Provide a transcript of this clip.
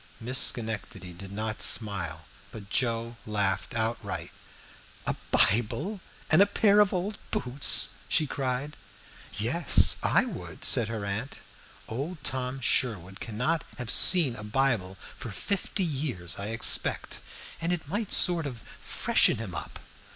Miss Schenectady did not smile, but Joe laughed outright. "A Bible and a pair of old boots!" she cried. "Yes, I would," said her aunt. "Old Tom Sherwood cannot have seen a Bible for fifty years, I expect, and it might sort of freshen him up."